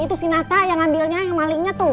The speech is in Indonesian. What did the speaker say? itu si nata yang ambilnya yang malingnya tuh